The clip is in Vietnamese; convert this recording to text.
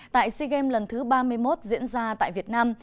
tại sea games lần thứ ba mươi một diễn ra tại việt nam